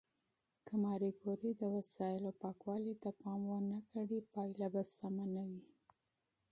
که ماري کوري د وسایلو پاکوالي ته پام ونه کړي، نتیجه به غلطه شي.